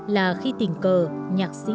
là khi tình cờ